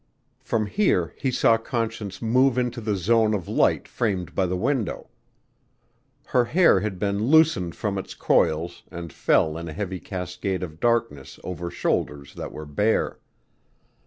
From here he saw Conscience move into the zone of light framed by the window. Her hair had been loosened from its coils and fell in a heavy cascade of darkness over shoulders that were bare.